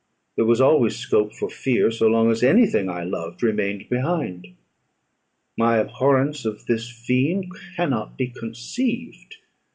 There was always scope for fear, so long as any thing I loved remained behind. My abhorrence of this fiend cannot be conceived.